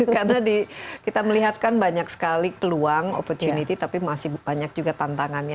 karena kita melihatkan banyak sekali peluang opportunity tapi masih banyak juga tantangannya